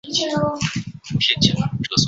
波旁宫也位于荣军院站附近。